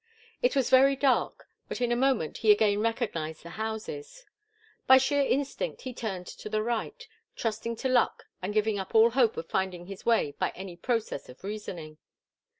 It was very dark, but in a moment he again recognized the houses. By sheer instinct he turned to the right, trusting to luck and giving up all hope of finding his way by any process of reasoning.